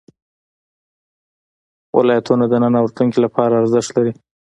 ولایتونه د نن او راتلونکي لپاره ارزښت لري.